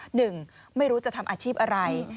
หนึ่งไม่รู้จะทำอาชีพอะไร